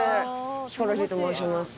ヒコロヒーと申します。